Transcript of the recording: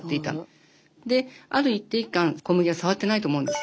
である一定期間小麦は触ってないと思うんですよね。